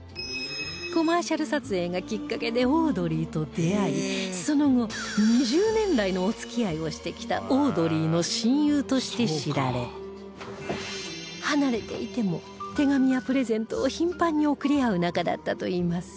コマーシャル撮影がきっかけでオードリーと出会いその後２０年来のお付き合いをしてきたオードリーの親友として知られ離れていても手紙やプレゼントを頻繁に送り合う仲だったといいます